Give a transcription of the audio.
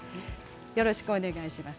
よろしくお願いします。